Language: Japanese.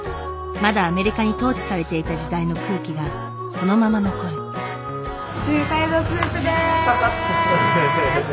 まだアメリカに統治されていた時代の空気がそのまま残る。